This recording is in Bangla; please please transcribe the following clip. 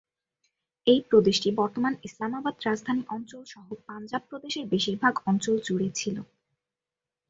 এই প্রদেশটি বর্তমান ইসলামাবাদ রাজধানী অঞ্চল সহ পাঞ্জাব প্রদেশের বেশিরভাগ অঞ্চল জুড়ে ছিল।